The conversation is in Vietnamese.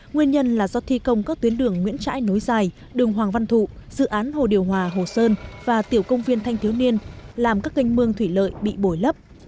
nguyên nhân là do thi công các tuyến đường nguyễn trãi nối dài đường hoàng văn thụ dự án hồ điều hòa hồ sơn và tiểu công viên thanh thiếu niên làm các ganh mương thủy lợi bị bồi lấp